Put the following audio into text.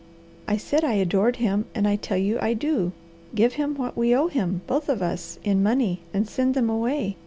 I said I adored him, and I tell you I do! Give him what we owe him, both of us, in money, and send them away.